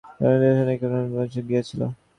জনৈক সৈনিক পুরুষ নগরের বহির্দেশে গিয়াছিল।